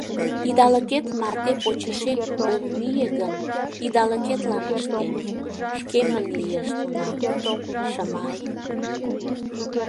Идалыкет марте почешет ом мие гын, идалыкетлан ыштем, шкемын лиеш тунам, Шымай...